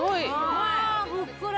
うわふっくら！